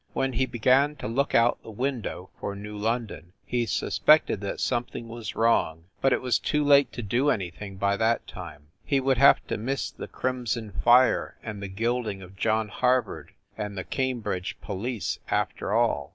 When he began to look out the window for New London he suspected that something was wrong, but it was too late to do any thing by that time. He would have to miss the crimson fire and the gilding of John Harvard and the Cambridge police after all.